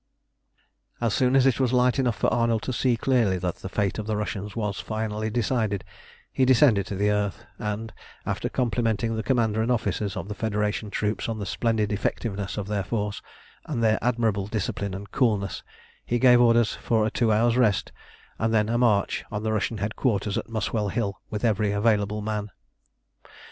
As soon as it was light enough for Arnold to see clearly that the fate of the Russians was finally decided, he descended to the earth, and, after complimenting the commander and officers of the Federation troops on the splendid effectiveness of their force, and their admirable discipline and coolness, he gave orders for a two hours' rest and then a march on the Russian headquarters at Muswell Hill with every available man.